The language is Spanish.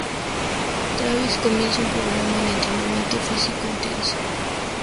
Travis comienza un programa de entrenamiento físico intenso.